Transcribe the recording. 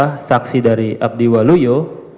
ada juga dari saksi dari abdi waluyu